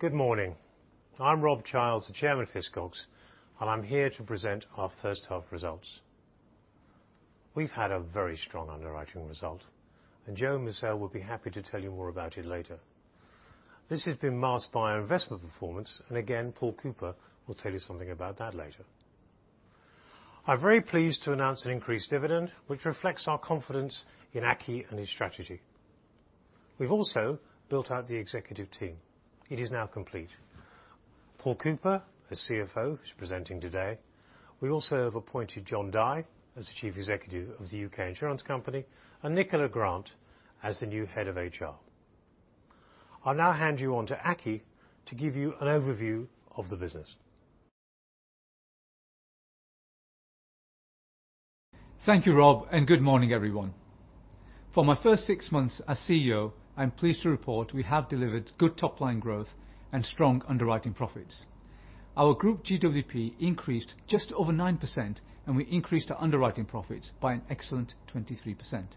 Good morning. I'm Rob Childs, the Chairman of Hiscox, and I'm here to present our first half results. We've had a very strong underwriting result, and Joanne Musselle will be happy to tell you more about it later. This has been masked by our investment performance, and again, Paul Cooper will tell you something about that later. I'm very pleased to announce an increased dividend, which reflects our confidence in Aki and his strategy. We've also built out the executive team. It is now complete. Paul Cooper, the CFO, who's presenting today. We also have appointed Jon Dye as the Chief Executive of Hiscox UK, and Nicola Grant as the new head of HR. I'll now hand over to Aki to give you an overview of the business. Thank you, Rob, and good morning, everyone. For my first six months as CEO, I'm pleased to report we have delivered good top-line growth and strong underwriting profits. Our group GWP increased just over 9%, and we increased our underwriting profits by an excellent 23%.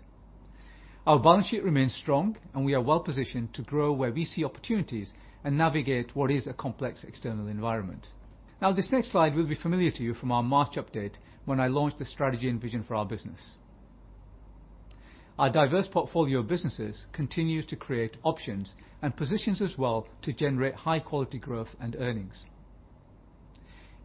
Our balance sheet remains strong, and we are well-positioned to grow where we see opportunities and navigate what is a complex external environment. Now, this next slide will be familiar to you from our March update when I launched the strategy and vision for our business. Our diverse portfolio of businesses continues to create options and positions us well to generate high quality growth and earnings.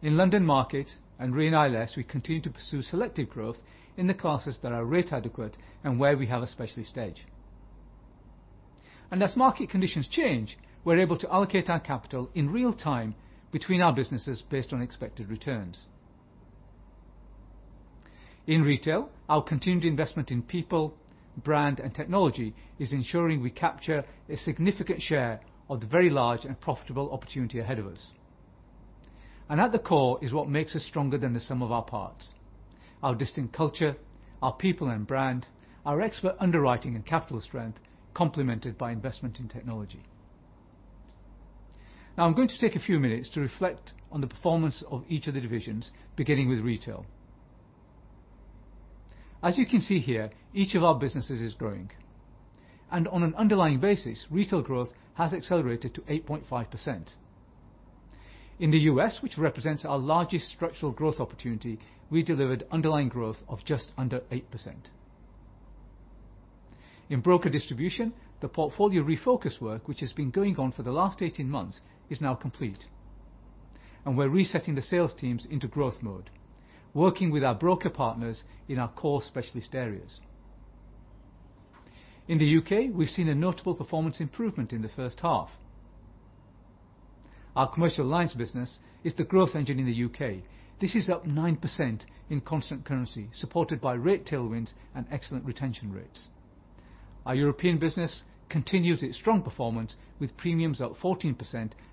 In London Market and Re and ILS, we continue to pursue selective growth in the classes that are rate adequate and where we have a specialist edge. As market conditions change, we're able to allocate our capital in real time between our businesses based on expected returns. In retail, our continued investment in people, brand, and technology is ensuring we capture a significant share of the very large and profitable opportunity ahead of us. At the core is what makes us stronger than the sum of our parts. Our distinct culture, our people and brand, our expert underwriting and capital strength, complemented by investment in technology. Now I'm going to take a few minutes to reflect on the performance of each of the divisions, beginning with retail. As you can see here, each of our businesses is growing. On an underlying basis, retail growth has accelerated to 8.5%. In the U.S., which represents our largest structural growth opportunity, we delivered underlying growth of just under 8%. In broker distribution, the portfolio refocus work, which has been going on for the last 18 months, is now complete, and we're resetting the sales teams into growth mode, working with our broker partners in our core specialist areas. In the U.K., we've seen a notable performance improvement in the first half. Our commercial alliance business is the growth engine in the U.K. This is up 9% in constant currency, supported by rate tailwinds and excellent retention rates. Our European business continues its strong performance with premiums up 14%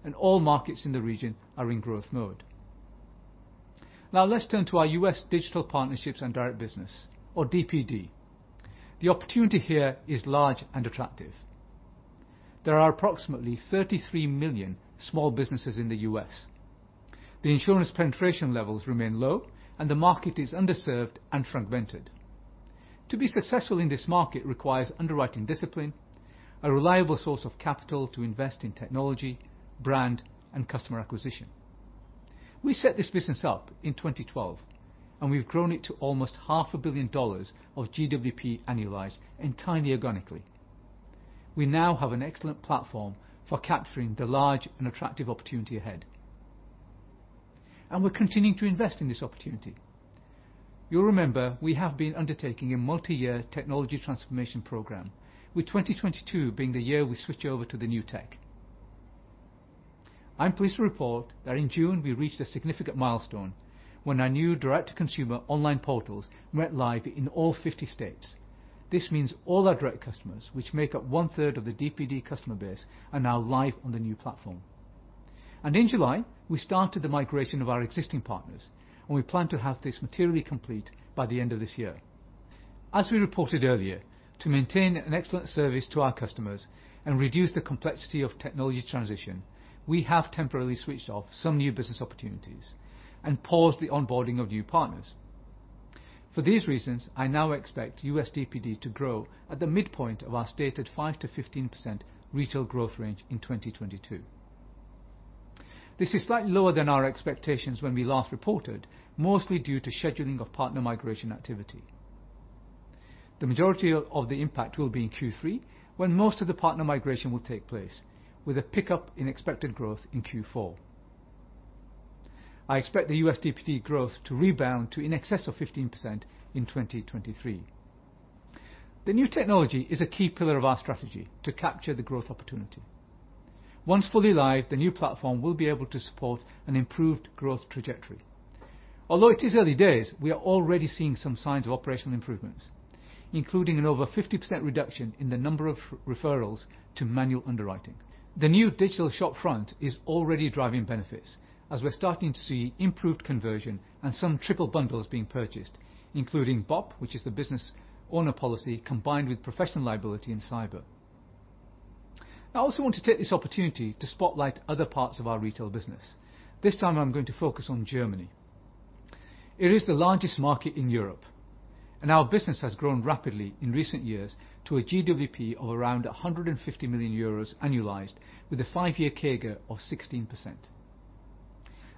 and all markets in the region are in growth mode. Now let's turn to our U.S. digital partnerships and direct business or DPD. The opportunity here is large and attractive. There are approximately 33 million small businesses in the U.S. The insurance penetration levels remain low, and the market is underserved and fragmented. To be successful in this market requires underwriting discipline, a reliable source of capital to invest in technology, brand, and customer acquisition. We set this business up in 2012, and we've grown it to almost half a billion dollars of GWP annualized entirely organically. We now have an excellent platform for capturing the large and attractive opportunity ahead. We're continuing to invest in this opportunity. You'll remember we have been undertaking a multi-year technology transformation program, with 2022 being the year we switch over to the new tech. I'm pleased to report that in June we reached a significant milestone when our new direct-to-consumer online portals went live in all 50 states. This means all our direct customers, which make up 1/3 of the DPD customer base, are now live on the new platform. In July, we started the migration of our existing partners, and we plan to have this materially complete by the end of this year. As we reported earlier, to maintain an excellent service to our customers and reduce the complexity of technology transition, we have temporarily switched off some new business opportunities and paused the onboarding of new partners. For these reasons, I now expect USDPD to grow at the midpoint of our stated 5%-15% retail growth range in 2022. This is slightly lower than our expectations when we last reported, mostly due to scheduling of partner migration activity. The majority of the impact will be in Q3, when most of the partner migration will take place, with a pickup in expected growth in Q4. I expect the USDPD growth to rebound to in excess of 15% in 2023. The new technology is a key pillar of our strategy to capture the growth opportunity. Once fully live, the new platform will be able to support an improved growth trajectory. Although it is early days, we are already seeing some signs of operational improvements, including an over 50% reduction in the number of referrals to manual underwriting. The new digital shop front is already driving benefits as we're starting to see improved conversion and some triple bundles being purchased, including BOP, which is the business owner policy, combined with professional liability and cyber. I also want to take this opportunity to spotlight other parts of our retail business. This time I'm going to focus on Germany. It is the largest market in Europe, and our business has grown rapidly in recent years to a GWP of around 150 million euros annualized with a five-year CAGR of 16%.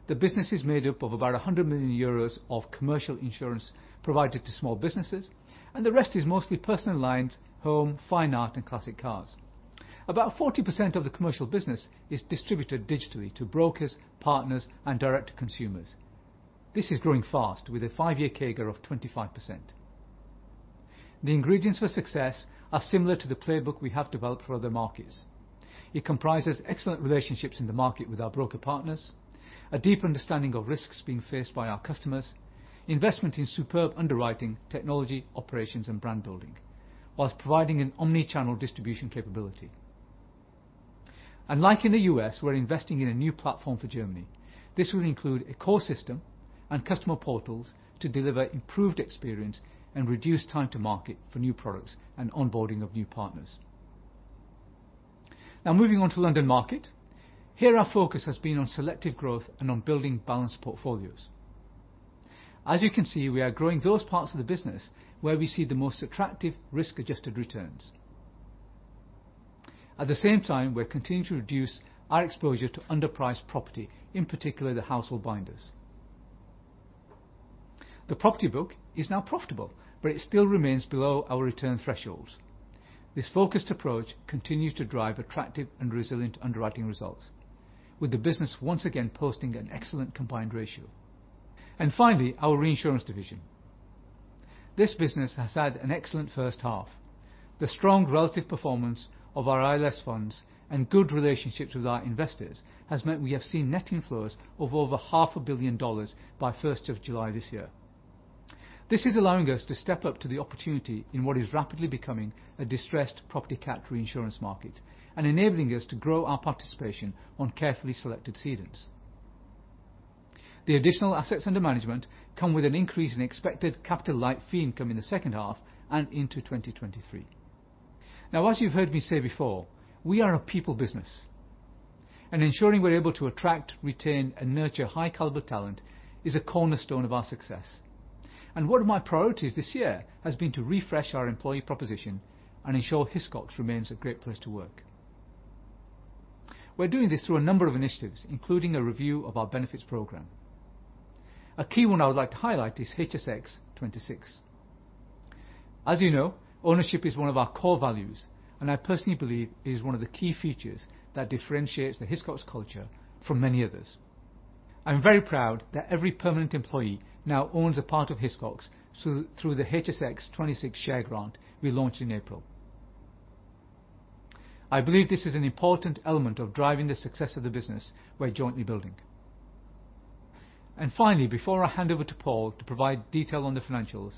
The business is made up of about 100 million euros of commercial insurance provided to small businesses, and the rest is mostly personal lines, home, Fine Art and Classic Cars. About 40% of the commercial business is distributed digitally to brokers, partners, and direct consumers. This is growing fast with a five-year CAGR of 25%. The ingredients for success are similar to the playbook we have developed for other markets. It comprises excellent relationships in the market with our broker partners. A deep understanding of risks being faced by our customers. Investment in superb underwriting, technology, operations and brand building, while providing an omni-channel distribution capability. Like in the US, we're investing in a new platform for Germany. This will include a core system and customer portals to deliver improved experience and reduce time to market for new products and onboarding of new partners. Now, moving on to London Market. Here our focus has been on selective growth and on building balanced portfolios. As you can see, we are growing those parts of the business where we see the most attractive risk-adjusted returns. At the same time, we're continuing to reduce our exposure to underpriced property, in particular the household binders. The property book is now profitable, but it still remains below our return thresholds. This focused approach continues to drive attractive and resilient underwriting results, with the business once again posting an excellent Combined Ratio. Finally, our reinsurance division. This business has had an excellent first half. The strong relative performance of our ILS funds and good relationships with our investors has meant we have seen net inflows of over half a billion dollars by first of July this year. This is allowing us to step up to the opportunity in what is rapidly becoming a distressed property cat reinsurance market and enabling us to grow our participation on carefully selected cedants. The additional assets under management come with an increase in expected capital light fee income in the second half and into 2023. Now, as you've heard me say before, we are a people business. Ensuring we're able to attract, retain, and nurture high caliber talent is a cornerstone of our success. One of my priorities this year has been to refresh our employee proposition and ensure Hiscox remains a great place to work. We're doing this through a number of initiatives, including a review of our benefits program. A key one I would like to highlight is HSX:26. As you know, ownership is one of our core values, and I personally believe it is one of the key features that differentiates the Hiscox culture from many others. I'm very proud that every permanent employee now owns a part of Hiscox through the HSX:26 share grant we launched in April. I believe this is an important element of driving the success of the business we're jointly building. Finally, before I hand over to Paul to provide detail on the financials,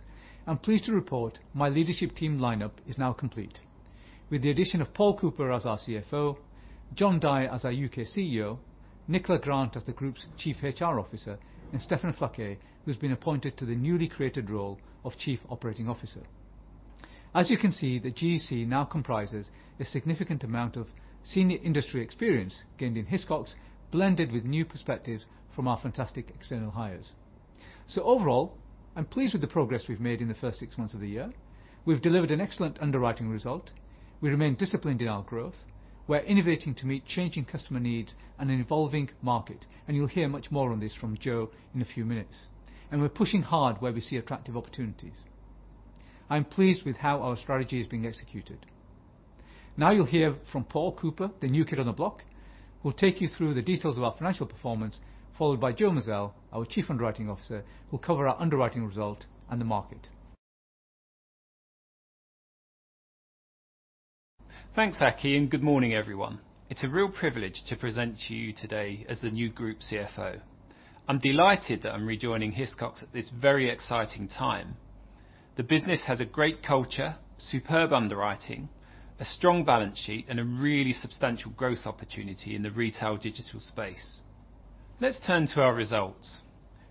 I'm pleased to report my leadership team lineup is now complete. With the addition of Paul Cooper as our CFO, Jon Dye as our UK CEO, Nicola Grant as the Group's Chief HR Officer, and Stéphane Flaquet, who's been appointed to the newly created role of Chief Operating Officer. As you can see, the GEC now comprises a significant amount of senior industry experience gained in Hiscox, blended with new perspectives from our fantastic external hires. Overall, I'm pleased with the progress we've made in the first six months of the year. We've delivered an excellent underwriting result. We remain disciplined in our growth. We're innovating to meet changing customer needs and an evolving market, and you'll hear much more on this from Jo in a few minutes. We're pushing hard where we see attractive opportunities. I'm pleased with how our strategy is being executed. Now you'll hear from Paul Cooper, the new kid on the block, who'll take you through the details of our financial performance, followed by Joanne Musselle, our Chief Underwriting Officer, who'll cover our underwriting result and the market. Thanks, Aki, and good morning, everyone. It's a real privilege to present to you today as the new group CFO. I'm delighted that I'm rejoining Hiscox at this very exciting time. The business has a great culture, superb underwriting, a strong balance sheet, and a really substantial growth opportunity in the retail digital space. Let's turn to our results.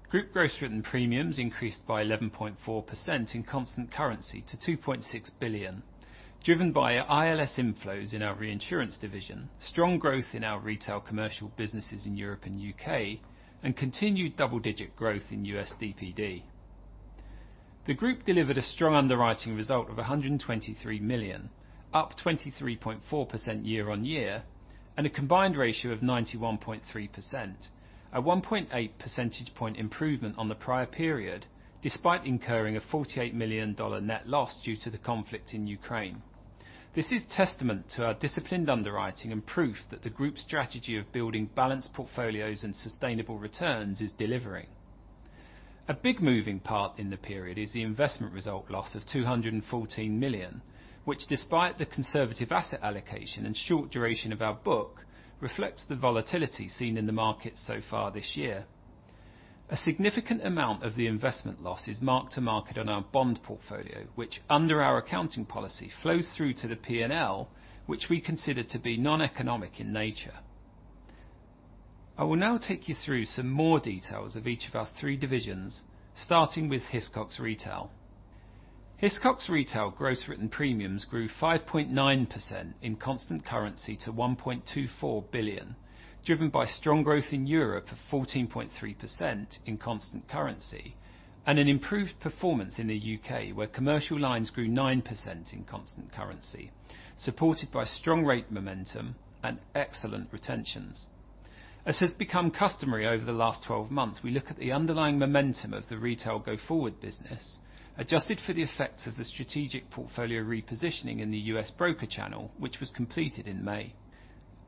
Group gross written premiums increased by 11.4% in constant currency to $2.6 billion, driven by ILS inflows in our reinsurance division, strong growth in our retail commercial businesses in Europe and UK, and continued double-digit growth in USDPD. The group delivered a strong underwriting result of $123 million, up 23.4% year-on-year, and a Combined Ratio of 91.3%. A 1.8 percentage point improvement on the prior period, despite incurring a $48 million net loss due to the conflict in Ukraine. This is testament to our disciplined underwriting and proof that the group's strategy of building balanced portfolios and sustainable returns is delivering. A big moving part in the period is the investment result loss of $214 million, which despite the conservative asset allocation and short duration of our book, reflects the volatility seen in the market so far this year. A significant amount of the investment loss is mark-to-market on our bond portfolio, which under our accounting policy, flows through to the P&L, which we consider to be noneconomic in nature. I will now take you through some more details of each of our three divisions, starting with Hiscox Retail. Hiscox Retail gross written premiums grew 5.9% in constant currency to $1.24 billion, driven by strong growth in Europe of 14.3% in constant currency and an improved performance in the U.K., where commercial lines grew 9% in constant currency, supported by strong rate momentum and excellent retentions. As has become customary over the last 12 months, we look at the underlying momentum of the retail go forward business, adjusted for the effects of the strategic portfolio repositioning in the U.S. broker channel, which was completed in May.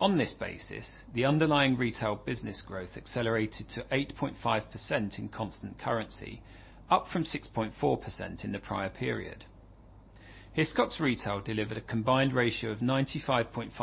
On this basis, the underlying retail business growth accelerated to 8.5% in constant currency, up from 6.4% in the prior period. Hiscox Retail delivered a Combined Ratio of 95.5%,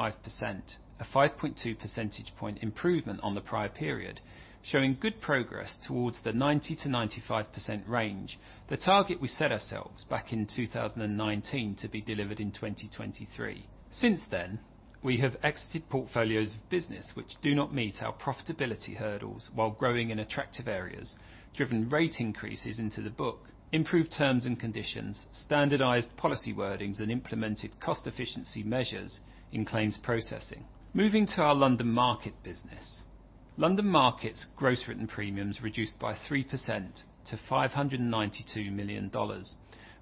a 5.2 percentage point improvement on the prior period, showing good progress towards the 90%-95% range, the target we set ourselves back in 2019 to be delivered in 2023. Since then, we have exited portfolios of business which do not meet our profitability hurdles while growing in attractive areas, driven rate increases into the book, improved terms and conditions, standardized policy wordings, and implemented cost efficiency measures in claims processing. Moving to our London Market business. London Market gross written premiums reduced by 3% to $592 million,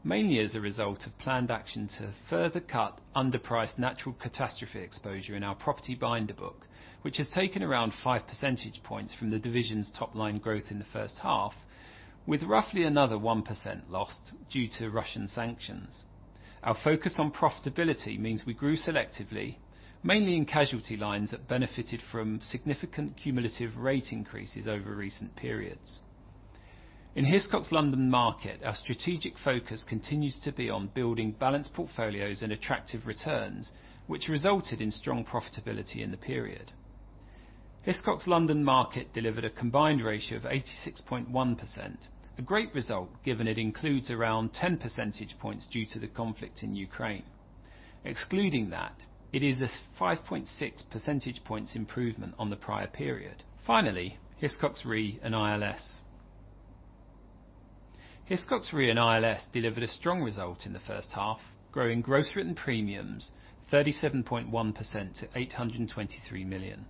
mainly as a result of planned action to further cut underpriced natural catastrophe exposure in our property binder book, which has taken around 5 percentage points from the division's top line growth in the first half, with roughly another 1% lost due to Russian sanctions. Our focus on profitability means we grew selectively, mainly in casualty lines that benefited from significant cumulative rate increases over recent periods. In Hiscox London Market, our strategic focus continues to be on building balanced portfolios and attractive returns, which resulted in strong profitability in the period. Hiscox London Market delivered a Combined Ratio of 86.1%, a great result given it includes around 10 percentage points due to the conflict in Ukraine. Excluding that, it is a 5.6 percentage points improvement on the prior period. Finally, Hiscox Re & ILS. Hiscox Re & ILS delivered a strong result in the first half, growing gross written premiums 37.1% to $823 million.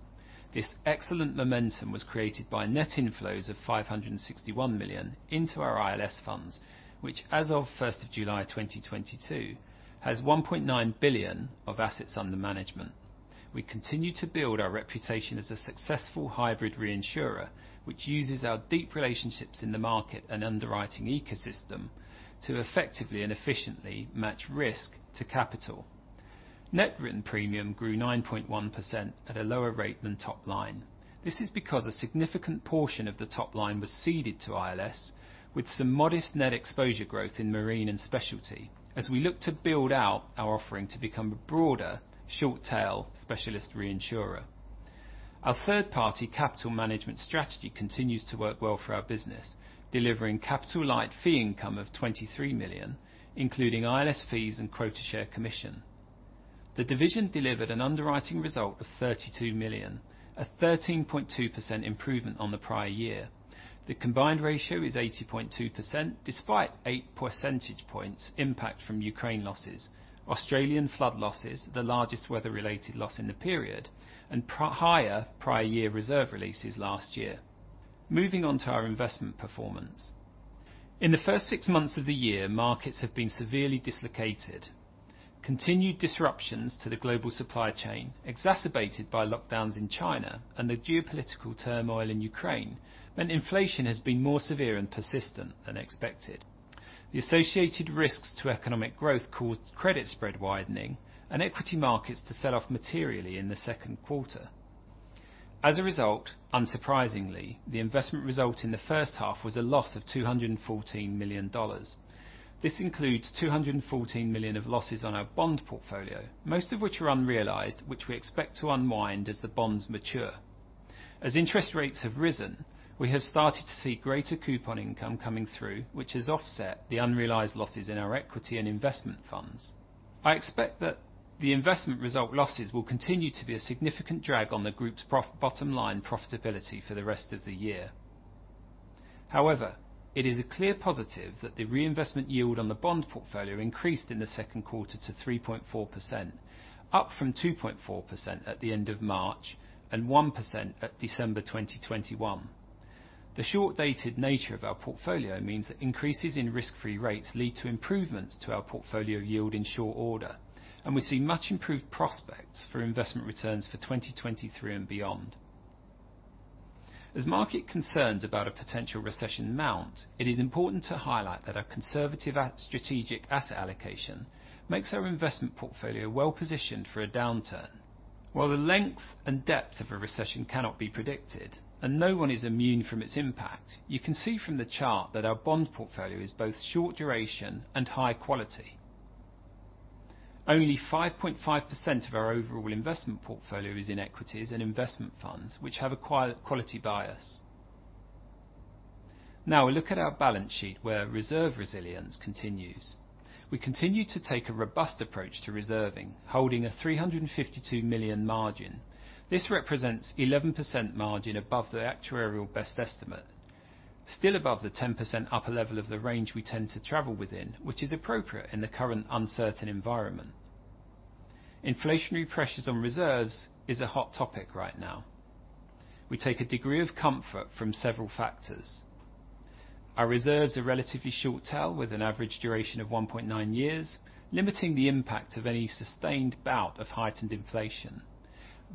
This excellent momentum was created by net inflows of $561 million into our ILS funds, which as of July 1, 2022, has $1.9 billion of assets under management. We continue to build our reputation as a successful hybrid reinsurer, which uses our deep relationships in the market and underwriting ecosystem to effectively and efficiently match risk to capital. Net written premium grew 9.1% at a lower rate than top line. This is because a significant portion of the top line was ceded to ILS with some modest net exposure growth in marine and specialty as we look to build out our offering to become a broader short tail specialist reinsurer. Our third-party capital management strategy continues to work well for our business, delivering capital-light fee income of $23 million, including ILS fees and quota share commission. The division delivered an underwriting result of $32 million, a 13.2% improvement on the prior year. The Combined Ratio is 80.2% despite 8 percentage points impact from Ukraine losses, Australian flood losses, the largest weather-related loss in the period, and prior higher prior year reserve releases last year. Moving on to our investment performance. In the first six months of the year, markets have been severely dislocated. Continued disruptions to the global supply chain, exacerbated by lockdowns in China and the geopolitical turmoil in Ukraine, meant inflation has been more severe and persistent than expected. The associated risks to economic growth caused credit spread widening and equity markets to sell off materially in the second quarter. As a result, unsurprisingly, the investment result in the first half was a loss of $214 million. This includes $214 million of losses on our bond portfolio, most of which are unrealized, which we expect to unwind as the bonds mature. As interest rates have risen, we have started to see greater coupon income coming through, which has offset the unrealized losses in our equity and investment funds. I expect that the investment result losses will continue to be a significant drag on the group's pro-bottom line profitability for the rest of the year. However, it is a clear positive that the reinvestment yield on the bond portfolio increased in the second quarter to 3.4%, up from 2.4% at the end of March and 1% at December 2021. The short-dated nature of our portfolio means that increases in risk-free rates lead to improvements to our portfolio yield in short order, and we see much improved prospects for investment returns for 2023 and beyond. As market concerns about a potential recession mount, it is important to highlight that our conservative strategic asset allocation makes our investment portfolio well-positioned for a downturn. While the length and depth of a recession cannot be predicted and no one is immune from its impact, you can see from the chart that our bond portfolio is both short duration and high quality. Only 5.5% of our overall investment portfolio is in equities and investment funds, which have a quality bias. Now we look at our balance sheet where reserve resilience continues. We continue to take a robust approach to reserving, holding a $352 million margin. This represents 11% margin above the actuarial best estimate. Still above the 10% upper level of the range we tend to travel within, which is appropriate in the current uncertain environment. Inflationary pressures on reserves is a hot topic right now. We take a degree of comfort from several factors. Our reserves are relatively short tail with an average duration of 1.9 years, limiting the impact of any sustained bout of heightened inflation.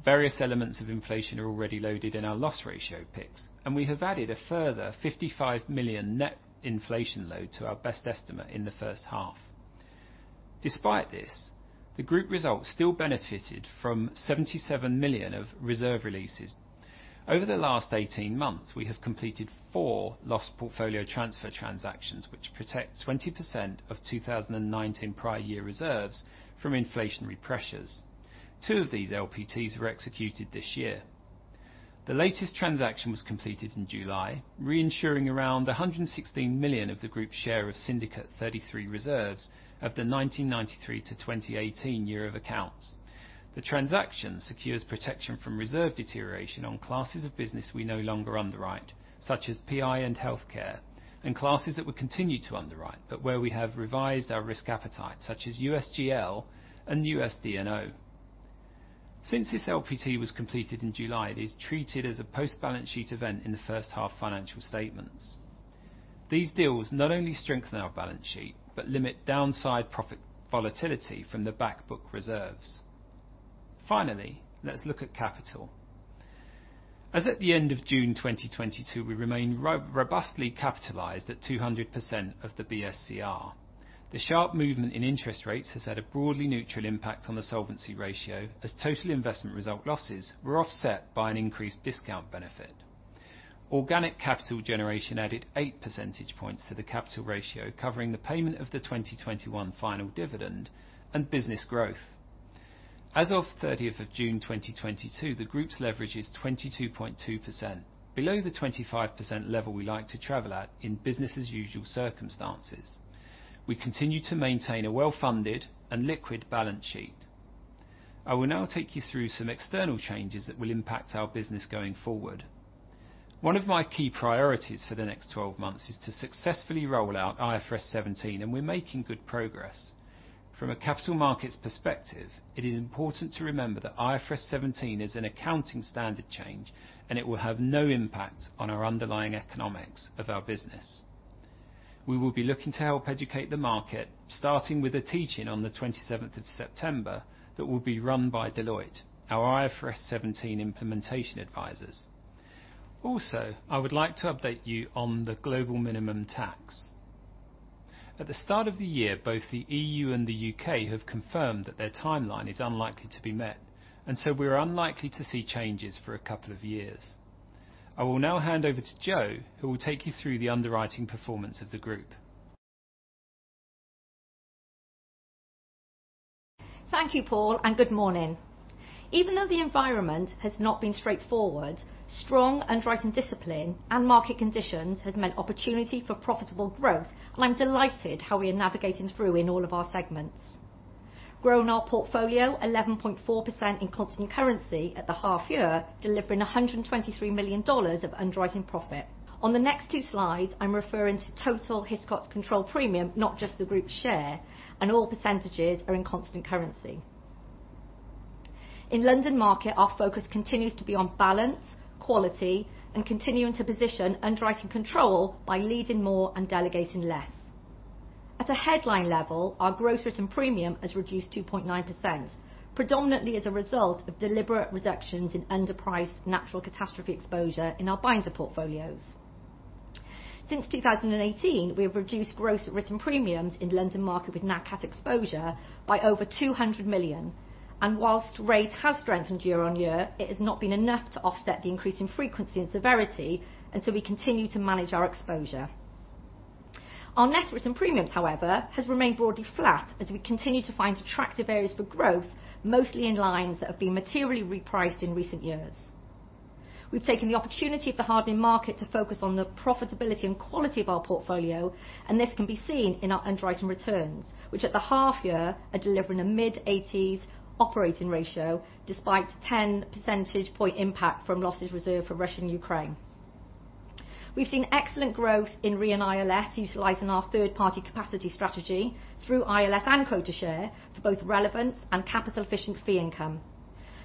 Various elements of inflation are already loaded in our loss ratio picks, and we have added a further $55 million net inflation load to our best estimate in the first half. Despite this, the group results still benefited from $77 million of reserve releases. Over the last 18 months, we have completed four Loss Portfolio Transfer transactions, which protect 20% of 2019 prior year reserves from inflationary pressures. Two of these LPTs were executed this year. The latest transaction was completed in July, reinsuring around $116 million of the group's share of Syndicate 33 reserves of the 1993 to 2018 years of account. The transaction secures protection from reserve deterioration on classes of business we no longer underwrite, such as PI and healthcare, and classes that we continue to underwrite, but where we have revised our risk appetite such as USGL and US D&O. Since this LPT was completed in July, it is treated as a post-balance sheet event in the first half financial statements. These deals not only strengthen our balance sheet, but limit downside profit volatility from the back book reserves. Finally, let's look at capital. As at the end of June 2022, we remain robustly capitalized at 200% of the BSCR. The sharp movement in interest rates has had a broadly neutral impact on the solvency ratio as total investment result losses were offset by an increased discount benefit. Organic capital generation added 8 percentage points to the capital ratio covering the payment of the 2021 final dividend and business growth. As of 30th of June, 2022, the group's leverage is 22.2%, below the 25% level we like to travel at in business as usual circumstances. We continue to maintain a well-funded and liquid balance sheet. I will now take you through some external changes that will impact our business going forward. One of my key priorities for the next 12 months is to successfully roll out IFRS 17, and we're making good progress. From a capital markets perspective, it is important to remember that IFRS 17 is an accounting standard change, and it will have no impact on our underlying economics of our business. We will be looking to help educate the market, starting with a teach-in on the 27th of September that will be run by Deloitte, our IFRS 17 implementation advisors. Also, I would like to update you on the global minimum tax. At the start of the year, both the E.U. and the U.K. have confirmed that their timeline is unlikely to be met, and so we are unlikely to see changes for a couple of years. I will now hand over to Jo, who will take you through the underwriting performance of the group. Thank you, Paul, and good morning. Even though the environment has not been straightforward, strong underwriting discipline and market conditions has meant opportunity for profitable growth, and I'm delighted how we are navigating through in all of our segments. Growing our portfolio 11.4% in constant currency at the half year, delivering $123 million of underwriting profit. On the next two slides, I'm referring to total Hiscox controlled premium, not just the group share, and all percentages are in constant currency. In London Market, our focus continues to be on balance, quality, and continuing to position underwriting control by leading more and delegating less. At a headline level, our gross written premium has reduced 2.9%, predominantly as a result of deliberate reductions in underpriced natural catastrophe exposure in our binder portfolios. Since 2018, we have reduced gross written premiums in London Market with Nat Cat exposure by over $200 million. While rates have strengthened year-on-year, it has not been enough to offset the increase in frequency and severity, and so we continue to manage our exposure. Our net written premiums, however, has remained broadly flat as we continue to find attractive areas for growth, mostly in lines that have been materially repriced in recent years. We've taken the opportunity of the hardening market to focus on the profitability and quality of our portfolio, and this can be seen in our underwriting returns, which at the half year are delivering a mid-80s operating ratio despite 10 percentage point impact from losses reserved for Russia and Ukraine. We've seen excellent growth in Re & ILS utilizing our third-party capacity strategy through ILS and quota share for both revenue and capital efficient fee income.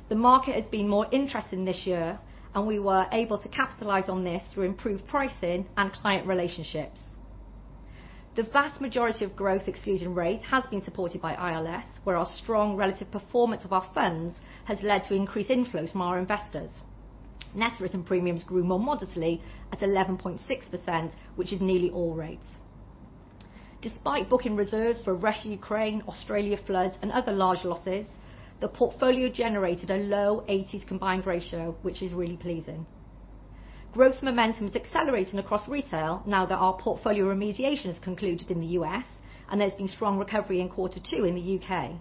The market has been more interesting this year, and we were able to capitalize on this through improved pricing and client relationships. The vast majority of growth ex rate has been supported by ILS, where our strong relative performance of our funds has led to increased inflows from our investors. Net written premiums grew more modestly at 11.6%, which is nearly all rates. Despite booking reserves for Russia, Ukraine, Australia floods, and other large losses, the portfolio generated a low 80s Combined Ratio, which is really pleasing. Growth momentum is accelerating across retail now that our portfolio remediation has concluded in the U.S. and there's been strong recovery in quarter two in the U.K.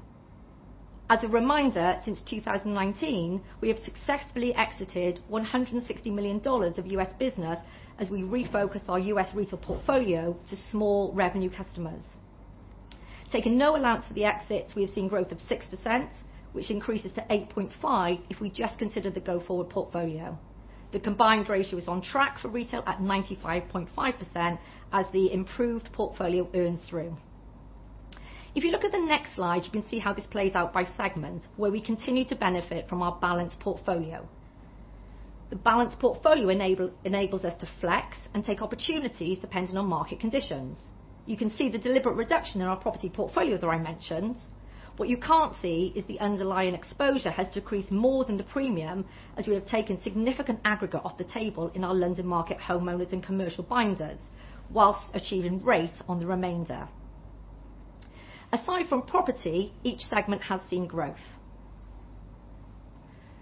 As a reminder, since 2019, we have successfully exited $160 million of U.S. business as we refocus our U.S. retail portfolio to small revenue customers. Taking no allowance for the exits, we have seen growth of 6%, which increases to 8.5% if we just consider the go-forward portfolio. The Combined Ratio is on track for retail at 95.5% as the improved portfolio earns through. If you look at the next slide, you can see how this plays out by segment, where we continue to benefit from our balanced portfolio. The balanced portfolio enables us to flex and take opportunities depending on market conditions. You can see the deliberate reduction in our property portfolio that I mentioned. What you can't see is the underlying exposure has decreased more than the premium as we have taken significant aggregate off the table in our London Market homeowners and commercial binders, while achieving rates on the remainder. Aside from property, each segment has seen growth.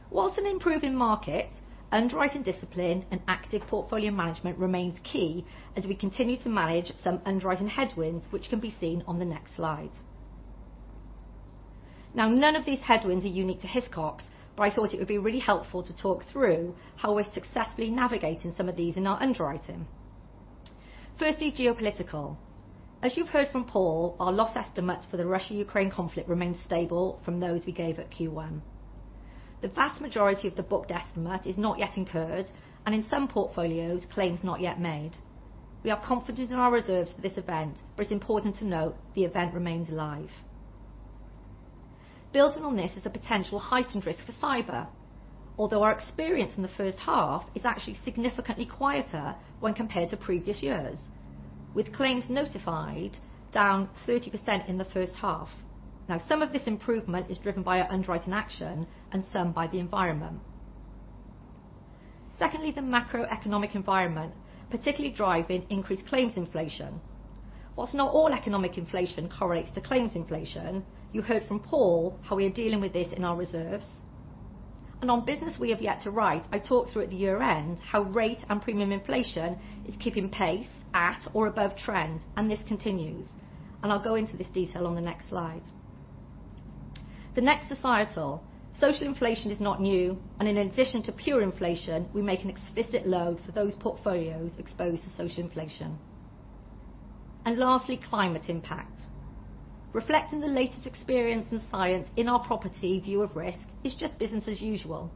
While an improving market, underwriting discipline and active portfolio management remains key as we continue to manage some underwriting headwinds, which can be seen on the next slide. Now, none of these headwinds are unique to Hiscox, but I thought it would be really helpful to talk through how we're successfully navigating some of these in our underwriting. Firstly, geopolitical. As you've heard from Paul, our loss estimates for the Russia-Ukraine conflict remain stable from those we gave at Q1. The vast majority of the booked estimate is not yet incurred, and in some portfolios, claims not yet made. We are confident in our reserves for this event, but it's important to note the event remains live. Building on this is a potential heightened risk for cyber, although our experience in the first half is actually significantly quieter when compared to previous years, with claims notified down 30% in the first half. Now, some of this improvement is driven by our underwriting action and some by the environment. Secondly, the macroeconomic environment, particularly driving increased claims inflation. While not all economic inflation correlates to claims inflation, you heard from Paul how we are dealing with this in our reserves. On business we have yet to write, I talked through at the year end how rate and premium inflation is keeping pace at or above trend, and this continues, and I'll go into this detail on the next slide. The next, societal. Social inflation is not new, and in addition to pure inflation, we make an explicit load for those portfolios exposed to social inflation. Lastly, climate impact. Reflecting the latest experience in science in our property view of risk is just business as usual,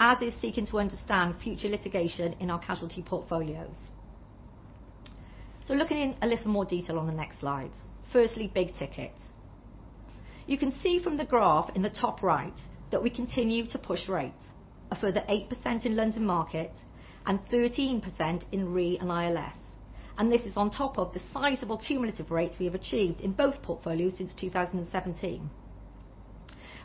as is seeking to understand future litigation in our casualty portfolios. Looking in a little more detail on the next slide. Firstly, big ticket. You can see from the graph in the top right that we continue to push rates. A further 8% in London Market and 13% in Re & ILS, and this is on top of the sizable cumulative rates we have achieved in both portfolios since 2017.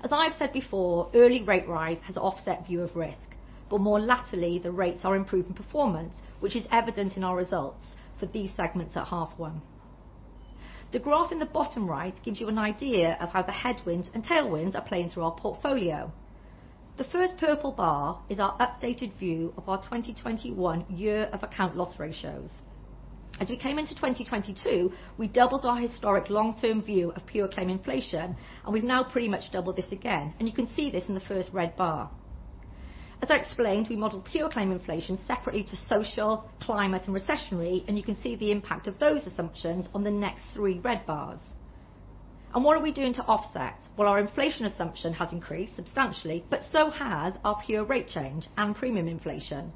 As I have said before, early rate rise has offset view of risk, but more latterly, the rates are improving performance, which is evident in our results for these segments at H1. The graph in the bottom right gives you an idea of how the headwinds and tailwinds are playing through our portfolio. The first purple bar is our updated view of our 2021 year of account loss ratios. As we came into 2022, we doubled our historic long-term view of pure claim inflation, and we've now pretty much doubled this again, and you can see this in the first red bar. As I explained, we model pure claim inflation separately to social, climate, and recessionary, and you can see the impact of those assumptions on the next three red bars. What are we doing to offset? Well, our inflation assumption has increased substantially, but so has our pure rate change and premium inflation.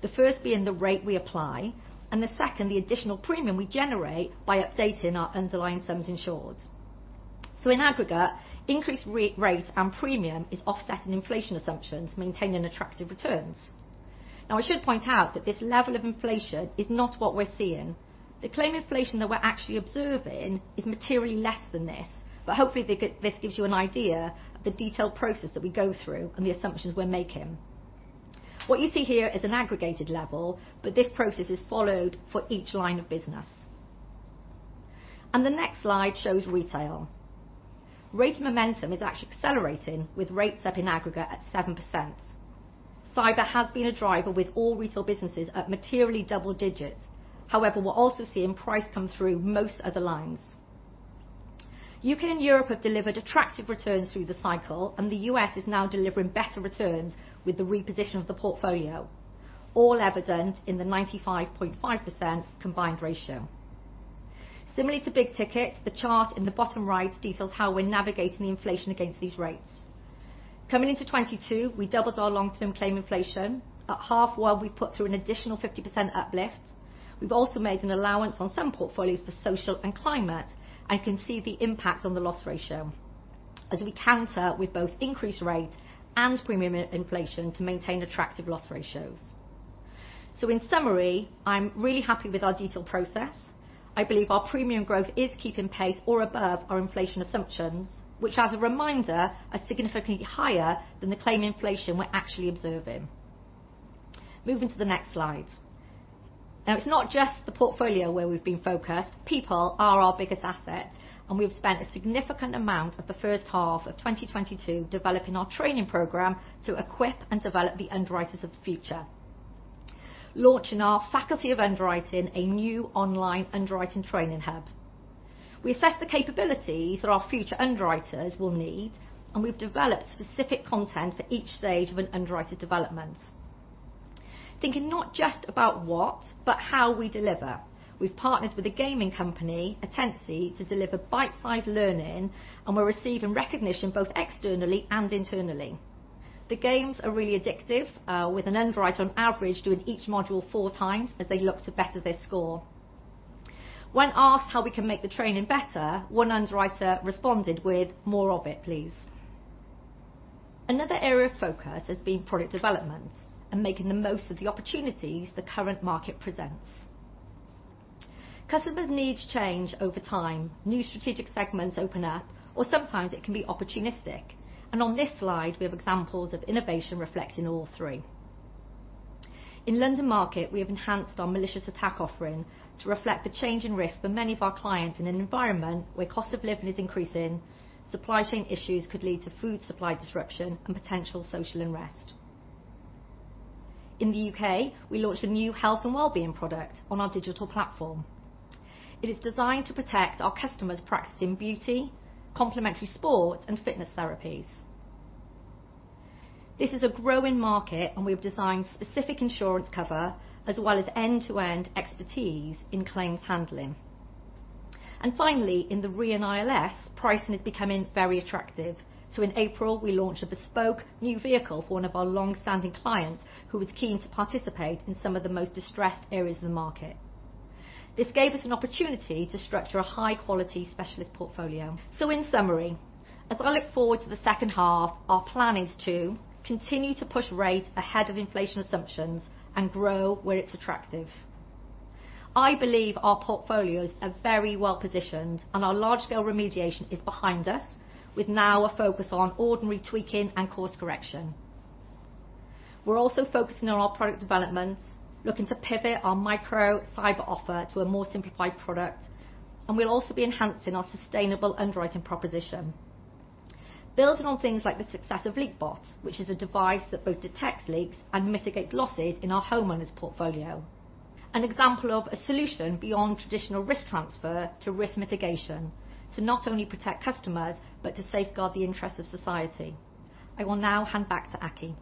The first being the rate we apply, and the second, the additional premium we generate by updating our underlying sums insured. In aggregate, increased rate and premium is offsetting inflation assumptions, maintaining attractive returns. Now, I should point out that this level of inflation is not what we're seeing. The claim inflation that we're actually observing is materially less than this, but hopefully this gives you an idea of the detailed process that we go through and the assumptions we're making. What you see here is an aggregated level, but this process is followed for each line of business. The next slide shows retail. Rate momentum is actually accelerating with rates up in aggregate at 7%. Cyber has been a driver with all retail businesses at materially double digits. However, we're also seeing price come through most other lines. U.K. and Europe have delivered attractive returns through the cycle, and the U.S. is now delivering better returns with the reposition of the portfolio, all evident in the 95.5% Combined Ratio. Similarly to big ticket, the chart in the bottom right details how we're navigating the inflation against these rates. Coming into 2022, we doubled our long-term claim inflation. At H1, we put through an additional 50% uplift. We've also made an allowance on some portfolios for social and climate and can see the impact on the loss ratio as we counter with both increased rate and premium inflation to maintain attractive loss ratios. In summary, I'm really happy with our detailed process. I believe our premium growth is keeping pace or above our inflation assumptions, which as a reminder, are significantly higher than the claim inflation we're actually observing. Moving to the next slide. Now, it's not just the portfolio where we've been focused. People are our biggest asset, and we've spent a significant amount of the first half of 2022 developing our training program to equip and develop the underwriters of the future. Launching our Faculty of Underwriting, a new online underwriting training hub. We assess the capabilities that our future underwriters will need, and we've developed specific content for each stage of an underwriter development. Thinking not just about what, but how we deliver. We've partnered with a gaming company, Attensi, to deliver bite-sized learning, and we're receiving recognition both externally and internally. The games are really addictive, with an underwriter on average doing each module four times as they look to better their score. When asked how we can make the training better, one underwriter responded with, "More of it, please." Another area of focus has been product development and making the most of the opportunities the current market presents. Customers' needs change over time. New strategic segments open up, or sometimes it can be opportunistic. On this slide, we have examples of innovation reflecting all three. In London Market, we have enhanced our malicious attack offering to reflect the change in risk for many of our clients in an environment where cost of living is increasing, supply chain issues could lead to food supply disruption and potential social unrest. In the UK, we launched a new health and wellbeing product on our digital platform. It is designed to protect our customers practicing beauty, complementary sports, and fitness therapies. This is a growing market, and we've designed specific insurance cover as well as end-to-end expertise in claims handling. Finally, in the Re and ILS, pricing is becoming very attractive. In April, we launched a bespoke new vehicle for one of our long-standing clients who was keen to participate in some of the most distressed areas of the market. This gave us an opportunity to structure a high-quality specialist portfolio. In summary, as I look forward to the second half, our plan is to continue to push rates ahead of inflation assumptions and grow where it's attractive. I believe our portfolios are very well positioned, and our large-scale remediation is behind us, with now a focus on ordinary tweaking and course correction. We're also focusing on our product developments, looking to pivot our micro cyber offer to a more simplified product, and we'll also be enhancing our sustainable underwriting proposition. Building on things like the success of LeakBot, which is a device that both detects leaks and mitigates losses in our homeowners portfolio. An example of a solution beyond traditional risk transfer to risk mitigation to not only protect customers, but to safeguard the interest of society. I will now hand back to Aki.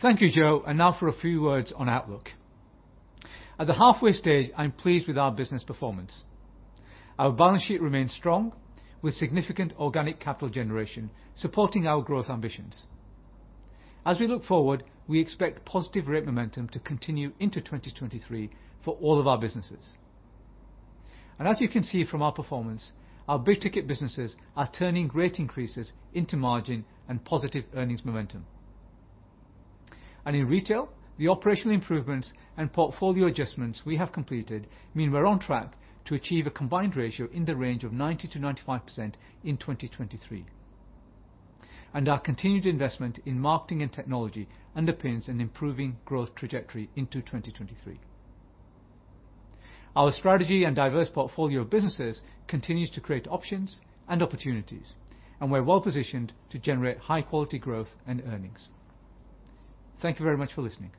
Thank you, Jo. Now for a few words on outlook. At the halfway stage, I'm pleased with our business performance. Our balance sheet remains strong with significant organic capital generation supporting our growth ambitions. As we look forward, we expect positive rate momentum to continue into 2023 for all of our businesses. As you can see from our performance, our big ticket businesses are turning great increases into margin and positive earnings momentum. In retail, the operational improvements and portfolio adjustments we have completed mean we're on track to achieve a combined ratio in the range of 90%-95% in 2023. Our continued investment in marketing and technology underpins an improving growth trajectory into 2023. Our strategy and diverse portfolio of businesses continues to create options and opportunities, and we're well-positioned to generate high-quality growth and earnings. Thank you very much for listening.